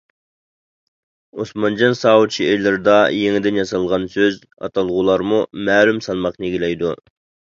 ئوسمانجان ساۋۇت شېئىرلىرىدا يېڭىدىن ياسالغان سۆز- ئاتالغۇلارمۇ مەلۇم سالماقنى ئىگىلەيدۇ.